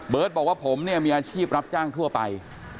บอกว่าผมเนี่ยมีอาชีพรับจ้างทั่วไป